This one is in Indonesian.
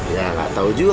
ya gak tau juga